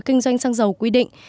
kinh doanh xăng dầu quy định